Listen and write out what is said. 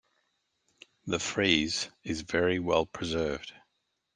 The frieze is very well preserved.